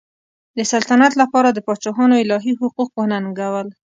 د سلطنت لپاره د پاچاهانو الهي حقوق وننګول.